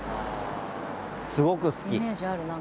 すごく好き。